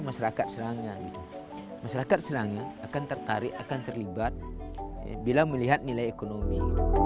masyarakat serangan masyarakat serangan akan tertarik akan terlibat bila melihat nilai ekonomi